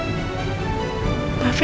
mbak fim mbak ngerasa